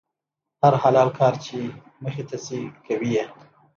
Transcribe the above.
هر حلال کار چې مخې ته شي، کوي یې.